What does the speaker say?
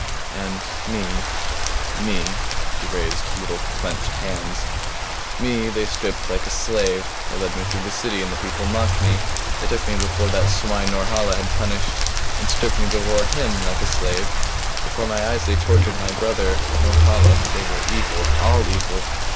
"And me me" she raised little clenched hands "me they stripped like a slave. They led me through the city and the people mocked me. They took me before that swine Norhala has punished and stripped me before him like a slave. Before my eyes they tortured my brother. Norhala they were evil, all evil!